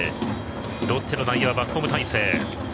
ロッテの外野はバックホーム態勢。